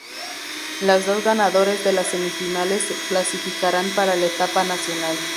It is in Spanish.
Los dos ganadores de las semifinales se clasificarán para la Etapa Nacional.